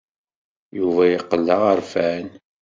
Yuba yeqqel d aɣerfan.